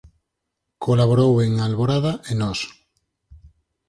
Colaborou en "Alborada" e "Nós".